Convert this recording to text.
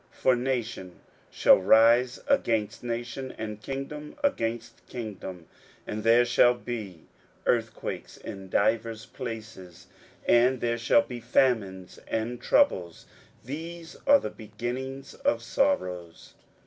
41:013:008 For nation shall rise against nation, and kingdom against kingdom: and there shall be earthquakes in divers places, and there shall be famines and troubles: these are the beginnings of sorrows.